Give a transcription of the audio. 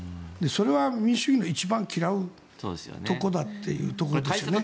それは民主主義の一番嫌うところだということですね。